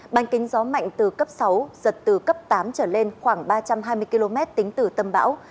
bánh kính gió mạnh từ cấp một mươi giật từ cấp một mươi hai trở lên khoảng một trăm sáu mươi km tính từ tâm bão